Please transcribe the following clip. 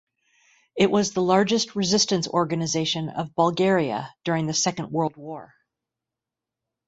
It was the largest resistance organization of Bulgaria during the Second World War.